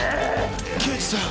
刑事さん。